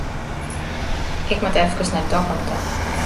Ik moat efkes nei Dokkum ta.